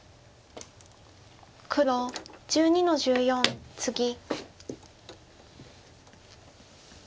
黒１２の十四ツギ。